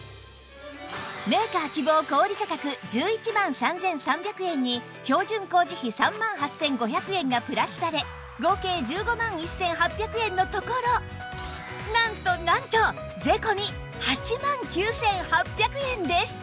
メーカー希望小売価格１１万３３００円に標準工事費３万８５００円がプラスされ合計１５万１８００円のところなんとなんと税込８万９８００円です